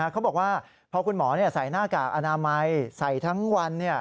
เขาบอกว่าพอคุณหมอใส่หน้ากากอนามัยใส่ทั้งวัน